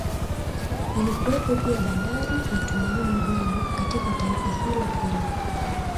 Ilikuwepo pia Bandari ya Tumaini Jema katika taifa hilo hilo